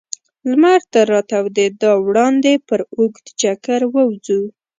لمر تر راتودېدا وړاندې پر اوږد چکر ووځو.